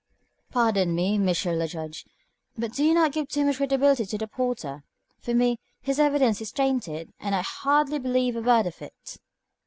"Pardon me, M. le Juge, but do you not give too much credibility to the porter? For me, his evidence is tainted, and I hardly believe a word of it.